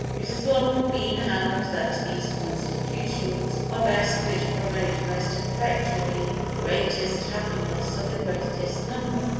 It has long been held that those constitutions are best which promote most effectually the greatest happiness of the greatest number.